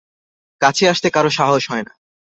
কাছে আসতে কারো সাহস হয় না।